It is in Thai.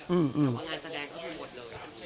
อุ๊ค